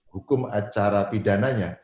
hukum acara pidananya